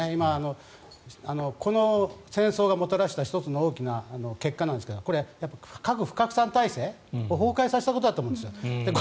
この戦争がもたらした１つの大きな結果ですが核不拡散体制を崩壊させたことだと思います。